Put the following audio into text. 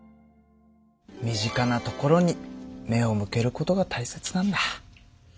身近なところに目を向けることが大切なんだ。